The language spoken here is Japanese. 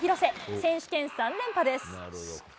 選手権３連覇です。